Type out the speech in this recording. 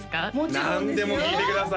何でも聞いてください